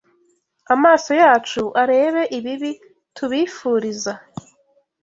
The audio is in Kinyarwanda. amaso yacu arebe ibibi tubifuriza